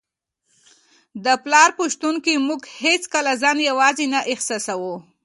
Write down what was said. د پلار په شتون کي موږ هیڅکله ځان یوازې نه احساسوو.